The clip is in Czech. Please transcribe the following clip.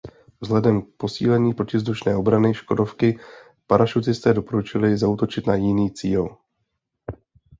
Vzhledem k posílení protivzdušné obrany Škodovky parašutisté doporučili zaútočit na jiný cíl.